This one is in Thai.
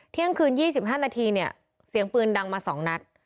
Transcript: เที่ยงคืน๒๕นาทีเซียงปืนดังมา๒นัฏ